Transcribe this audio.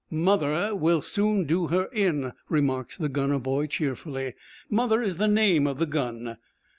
'"Mother" will soon do her in,' remarks the gunner boy cheerfully. 'Mother' is the name of the gun.